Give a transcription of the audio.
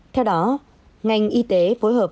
theo đó ngành y tế phối hợp